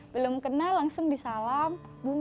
belum kenal langsung disalam